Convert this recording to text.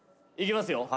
「いきますよ」